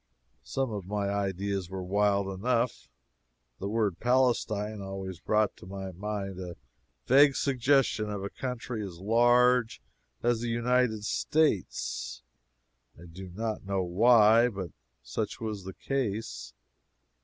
Some of my ideas were wild enough. The word Palestine always brought to my mind a vague suggestion of a country as large as the United States. I do not know why, but such was the case.